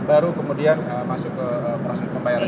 baru kemudian masuk ke proses pembayaran